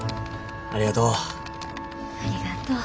ありがとう。